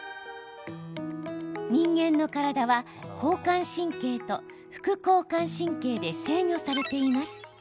人間の体は、交感神経と副交感神経で制御されています。